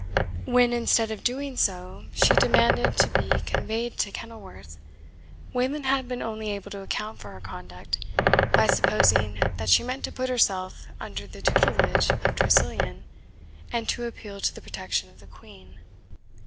When, instead of doing so, she demanded to be conveyed to Kenilworth, Wayland had been only able to account for her conduct by supposing that she meant to put herself under the tutelage of Tressilian, and to appeal to the protection of the Queen.